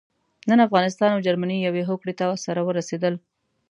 نن افغانستان او جرمني يوې هوکړې ته سره ورسېدل.